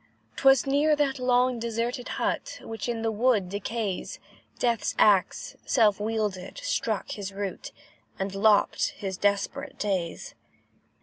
'Twas near that long deserted hut, Which in the wood decays, Death's axe, self wielded, struck his root, And lopped his desperate days.